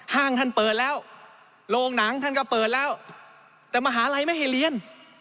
ห้างท่านเปิดแล้วโรงหนังท่านก็เปิดแล้วแต่มหาลัยไม่ให้เรียน